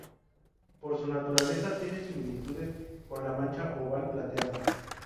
Por su naturaleza, tiene similitudes con la mancha oval plateada.